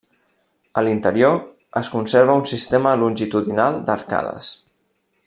A l'interior es conserva un sistema longitudinal d'arcades.